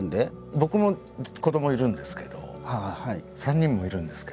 僕も子どもいるんですけど３人もいるんですけど。